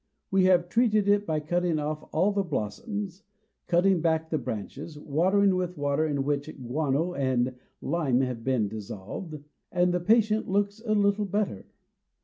We have treated it by cutting off all the blossoms, cutting back the branches, watering with water in which guano and lime have been dissolved; and the patient looks a little better.